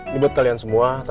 jangan lapar tanto